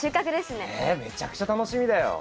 ねえめちゃくちゃ楽しみだよ。